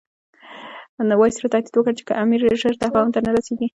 وایسرا تهدید وکړ چې که امیر ژر تفاهم ته نه رسیږي.